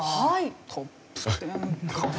トップ１０かな。